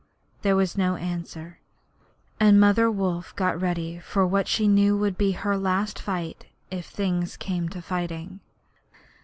There was no answer, and Mother Wolf got ready for what she knew would be her last fight, if things came to fighting.